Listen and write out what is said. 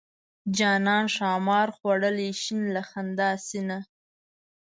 جانان ښامار خوړلی شین له خندا شینه.